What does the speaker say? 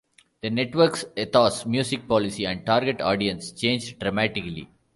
The network's ethos, music policy and target audience changed dramatically.